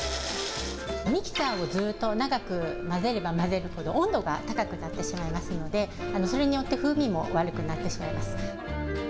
ミキサーをずっと長く混ぜれば混ぜるほど温度が高くなってしまいますので、それによって風味も悪くなってしまいます。